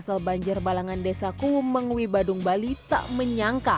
sebagai orang tua bahagia senang